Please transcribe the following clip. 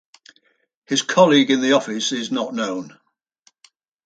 His colleague in the office is not known.